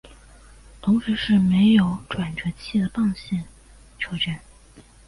同时是没有转辙器的棒线车站。